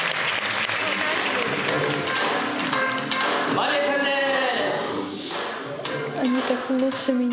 マリヤちゃんです！